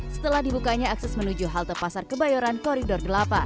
setelah dibukanya akses menuju halte pasar kebayoran koridor delapan